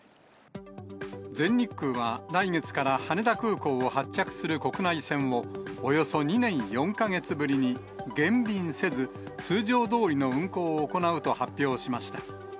全日空は来月から羽田空港を発着する国内線をおよそ２年４か月ぶりに減便せず、通常どおりの運航を行うと発表しました。